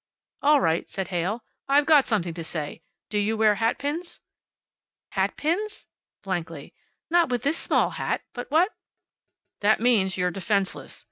"All right," said Heyl. "I have got something to say. Do you wear hatpins?" "Hatpins!" blankly. "Not with this small hat, but what " "That means you're defenseless.